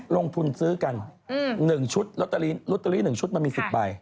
ลงทุนซื้อกัน๑ชุดลอตเตอรี่๑ชุดมันมี๑๐ใบ